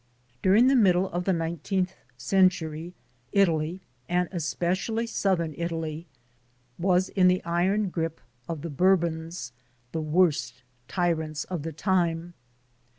During the middle of the nineteenth century, Italy, and especially southern Italy, was in the iron grip of the Bourbons, the worst tyrants of the time.